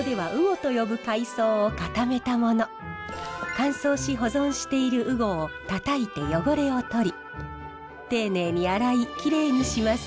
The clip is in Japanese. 乾燥し保存しているウゴを叩いて汚れをとり丁寧に洗いきれいにします。